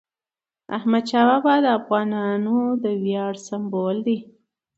احمدشاه بابا د افغانانو د ویاړ سمبول دی.